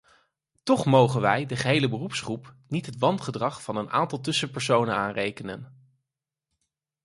Toch mogen wij de gehele beroepsgroep niet het wangedrag van een aantal tussenpersonen aanrekenen.